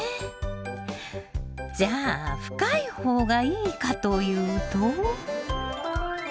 じゃあ深い方がいいかというと。